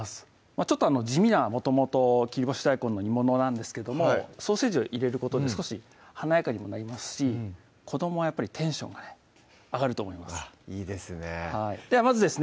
ちょっと地味なもともと切り干し大根の煮物なんですけどソーセージを入れることで少し華やかにもなりますし子どもはやっぱりテンションがね上がると思いますうわいいですねではまずですね